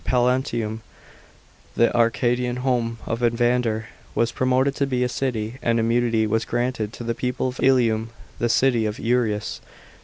Pallantium, the Arcadian home of Evander, was promoted to be a city, and immunity was granted to the people of Ilium, the city of ^ueas.